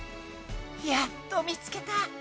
やっと見つけた！